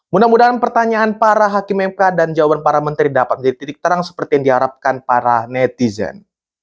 mudah mudahan pertanyaan para hakim mk dan jawaban para menteri dapat menjadi titik terang seperti yang diharapkan para netizen